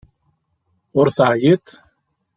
Ur teɛyiḍ?